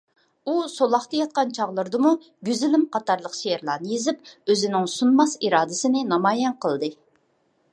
ئۇ سولاقتا ياتقان چاغلىرىدىمۇ «گۈزىلىم» قاتارلىق شېئىرلارنى يېزىپ، ئۆزىنىڭ سۇنماس ئىرادىسىنى نامايان قىلدى.